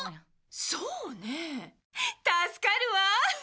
そうねえ助かるわ！